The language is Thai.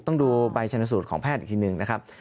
ต้องดูใบชนสูตรของแพทย์อีกทีหนึ่งนะครับ